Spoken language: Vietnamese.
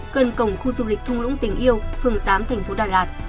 gần cổng khu du lịch thung lũng tình yêu phường tám tp đà lạt